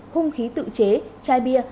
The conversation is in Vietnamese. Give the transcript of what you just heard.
hung khí tự chế chai bia